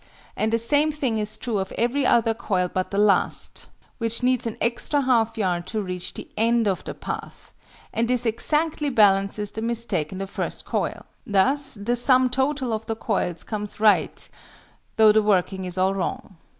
And the same thing is true of every other coil but the last, which needs an extra half yard to reach the end of the path: and this exactly balances the mistake in the first coil. Thus the sum total of the coils comes right though the working is all wrong.